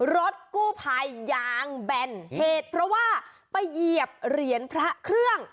รถกู้ภัยยางแบนเหตุเพราะว่าไปเหยียบเหรียญพระเครื่อง